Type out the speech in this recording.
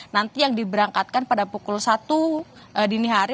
nanti yang diberangkatkan pada pukul satu dini hari